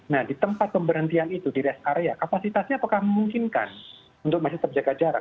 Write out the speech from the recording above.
nah di tempat pemberhentian itu di rest area kapasitasnya apakah memungkinkan untuk masih terjaga jarak